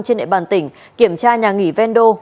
trên nệm bàn tỉnh kiểm tra nhà nghỉ vendo